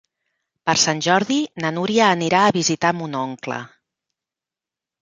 Per Sant Jordi na Núria anirà a visitar mon oncle.